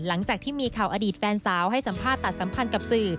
หลังจากที่มีข่าวอดีตแฟนสาวให้สัมภาษณ์ตัดสัมพันธ์กับสื่อ